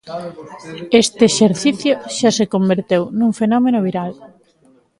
Este exercicio xa se converteu nun fenómeno viral.